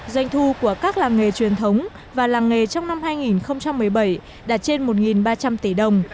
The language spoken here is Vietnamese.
doanh thu của các làng nghề truyền thống và làng nghề trong năm hai nghìn một mươi bảy đạt trên một ba trăm linh tỷ đồng